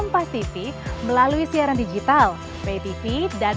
masih mungkin kan masih terbuka